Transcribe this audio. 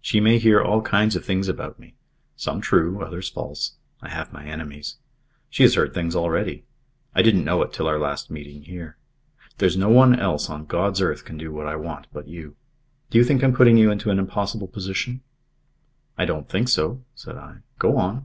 She may hear all kinds of things about me some true, others false I have my enemies. She has heard things already. I didn't know it till our last meeting here. There's no one else on God's earth can do what I want but you. Do you think I'm putting you into an impossible position?" "I don't think so," said I. "Go on."